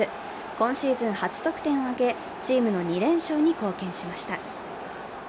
今シーズン初得点を挙げチームの２連勝に貢献しました。